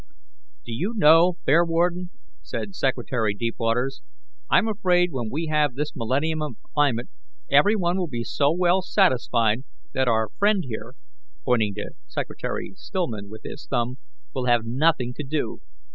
'" "Do you know, Bearwarden," said Secretary Deepwaters, "I'm afraid when we have this millennium of climate every one will be so well satisfied that our friend here (pointing to Secretary Stillman with his thumb) will have nothing to do."